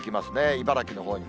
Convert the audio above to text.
茨城のほうに。